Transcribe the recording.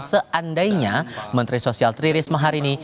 seandainya menteri sosial tri risma hari ini